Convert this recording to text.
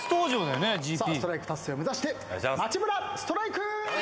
さあストライク達成を目指して街ぶらストライク！